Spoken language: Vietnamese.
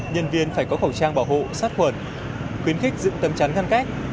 nhân viên phải có khẩu trang bảo hộ sát khuẩn quyến khích giữ tâm trắn găng cách